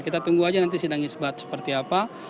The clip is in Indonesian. kita tunggu aja nanti sidang isbat seperti apa